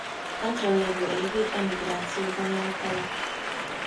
Hátra lévő éveit emigrációban élte le.